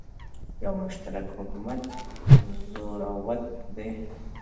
یو مشترک حکومت زوروت ده